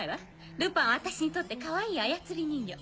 ルパンは私にとってかわいい操り人形。